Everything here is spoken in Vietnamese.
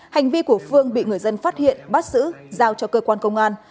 hành vi của phương bị người dân phát hiện bắt xử giao cho cơ quan công an